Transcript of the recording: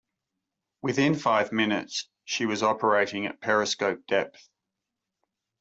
Within five minutes, she was operating at periscope depth.